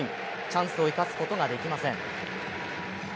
チャンスを生かすことができません。